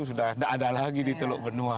sudah tidak ada lagi di teluk benua